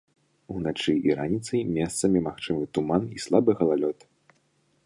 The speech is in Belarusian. Уначы і раніцай месцамі магчымы туман і слабы галалёд.